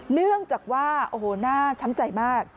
เนื่องจากว่าโอ้โหน่าช้ำใจมาก